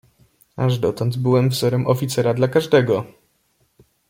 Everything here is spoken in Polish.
"Aż dotąd byłem wzorem oficera dla każdego."